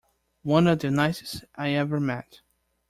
One of the nicest I ever met.